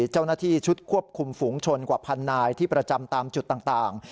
เจ้าหน้าที่ชุดควบคุมฝูงชนกว่าพันนายที่ประจำตามจุดต่าง